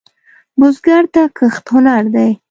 بزګر ته کښت هنر دی